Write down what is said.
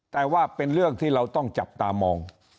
แต่ว่าเป็นเรื่องที่เราต้องจับตามอง